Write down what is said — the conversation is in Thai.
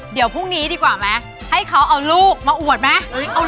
เดี๋ยวพรุ่งนี้ดีกว่าไหมให้เขาเอาลูกมาอวดไหม